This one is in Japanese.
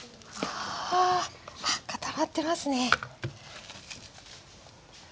あっ固まってますね。